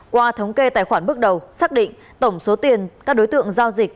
qua thống kê tài khoản bước đầu xác định tổng số tiền các đối tượng giao dịch